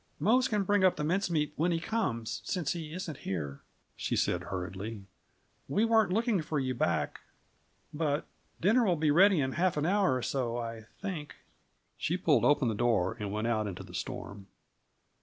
"Mose can bring up the mince meat when he comes since he isn't here," she said hurriedly. "We weren't looking for you back, but dinner will be ready in half an hour or so, I think." She pulled open the door and went out into the storm.